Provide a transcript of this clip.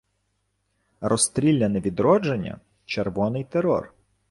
Розстріляне відродження, червоний терор